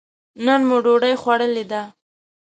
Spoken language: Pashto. نن مو ډوډۍ خوړلې ده.